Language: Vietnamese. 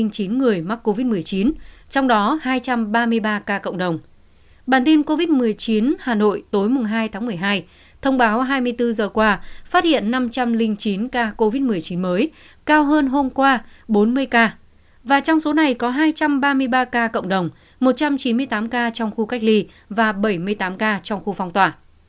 một trăm ba mươi ba ca cộng đồng một trăm chín mươi tám ca trong khu cách ly và bảy mươi tám ca trong khu phong tỏa